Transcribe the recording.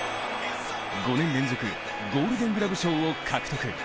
５年連続ゴールデングラブ賞を獲得。